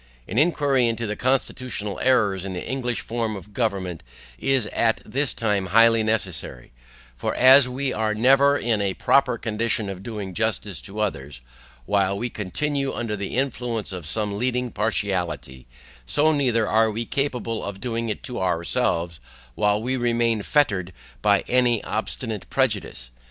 An inquiry into the CONSTITUTIONAL ERRORS in the English form of government is at this time highly necessary; for as we are never in a proper condition of doing justice to others, while we continue under the influence of some leading partiality, so neither are we capable of doing it to ourselves while we remain fettered by any obstinate prejudice.